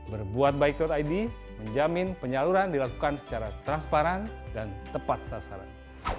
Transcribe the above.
berbuatbaik id menjamin penyaluran dilakukan secara transparan dan tepat sasaran